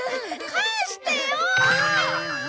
返してよ！